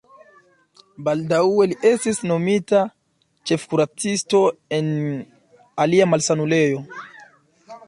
Baldaŭe li estis nomita ĉefkuracisto en alia malsanulejo.